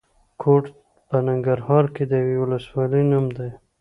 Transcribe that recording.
کوټ په ننګرهار کې د یوې ولسوالۍ نوم دی.